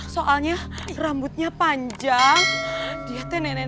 soalnya rambutnya panjang dia teh nenek nenek